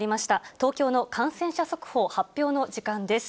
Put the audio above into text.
東京の感染者速報発表の時間です。